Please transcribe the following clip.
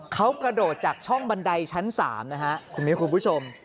เขากระโดดจากช่องบันไดชั้น๓นะฮะคุณมิวคุณผู้ชม